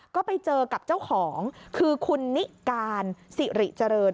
ก็ไปเจอกับเจ้าของคือคุณนิการสิริเจริญ